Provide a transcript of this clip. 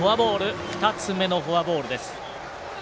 ２つ目のフォアボールです。